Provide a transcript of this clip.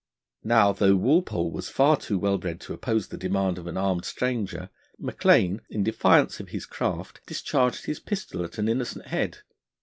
Now, though Walpole was far too well bred to oppose the demand of an armed stranger, Maclaine, in defiance of his craft, discharged his pistol at an innocent head.